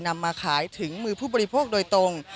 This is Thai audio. นำมาขายถึงมือผู้บริโภคโดยตรง